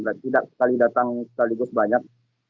dan tidak sekali datang sekaligus banyak